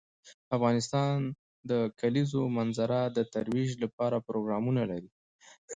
افغانستان د د کلیزو منظره د ترویج لپاره پروګرامونه لري.